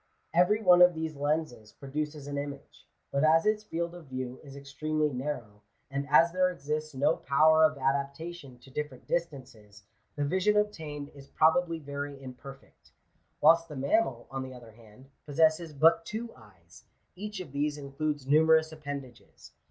Every one of these lenses produces an image; but as its field of view is extremely narrow, and as there exists no power of adaptation to different distances, the vision obtained is probably very imperfect. Whilst the mammal, on the other hand, possesses but two eyes ; each of these includes numerous appendages.